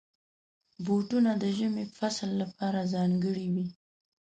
بوټونه د ژمي فصل لپاره ځانګړي وي.